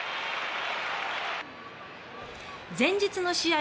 前日の試合